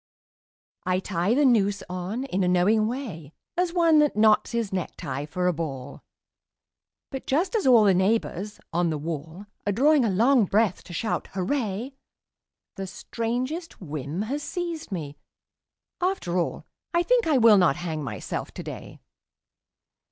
I tie the noose on in a knowing way As one that knots his necktie for a ball; But just as all the neighbours on the wall Are drawing a long breath to shout 'Hurray!' The strangest whim has seized me ... After all I think I will not hang myself today.